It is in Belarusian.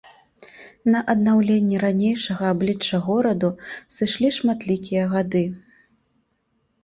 На аднаўленне ранейшага аблічча гораду сышлі шматлікія гады.